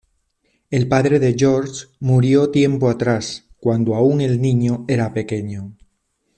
El padre de Georg murió tiempo atrás cuando aun el niño era pequeño.